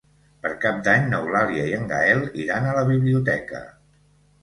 Per Cap d'Any n'Eulàlia i en Gaël iran a la biblioteca.